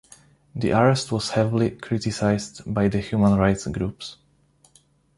The arrest was heavily criticized by the human rights groups.